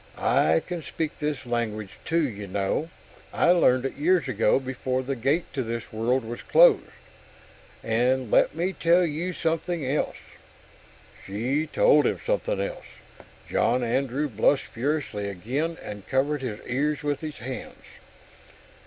"I can speak this language too, you know I learned it years ago, before the gate to this world was closed! And let me tell you something else...." She told him something else. John Andrew blushed furiously again, and covered his ears with his hands.